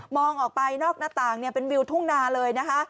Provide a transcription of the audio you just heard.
ออกไปนอกหน้าต่างเป็นวิวทุ่งนาเลยนะคะ